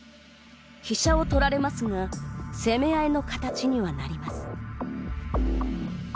飛車を取られますが攻め合いの形にはなります。